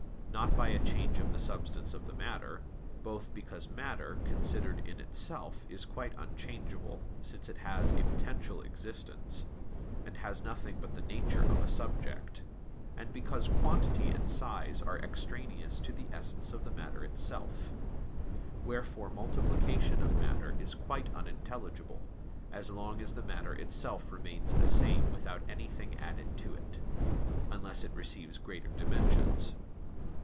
Not by change of the substance of the matter, both because matter, considered in itself, is quite unchangeable, since it has a potential existence, and has nothing but the nature of a subject, and because quantity and size are extraneous to the essence of matter itself. Wherefore multiplication of matter is quite unintelligible, as long as the matter itself remains the same without anything added to it; unless it receives greater dimensions.